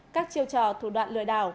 các chiêu trò thủ đoạn lừa đảo